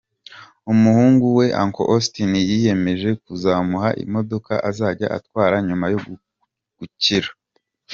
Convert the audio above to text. Umuhungu we, Uncle Austin yiyemeje kuzamuha imodoka azajya atwara nyuma yo gukira.